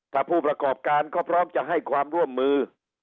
ถ้าผู้ประกอบการเขาพร้อมจะให้ความร่วมมือ